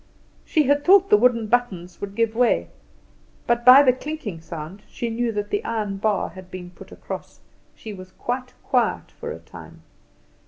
She had thought the wooden buttons would give way, but by the clinking sound she knew that the iron bar had been put across. She was quite quiet for a time.